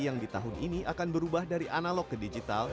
yang di tahun ini akan berubah dari analog ke digital